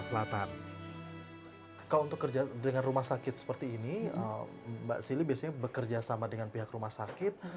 kalau untuk kerja dengan rumah sakit seperti ini mbak sili biasanya bekerja sama dengan pihak rumah sakit